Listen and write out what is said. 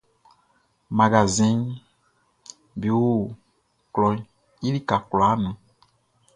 Magasinʼm be o klɔʼn i lika kwlaa nun.